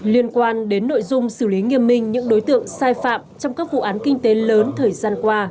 liên quan đến nội dung xử lý nghiêm minh những đối tượng sai phạm trong các vụ án kinh tế lớn thời gian qua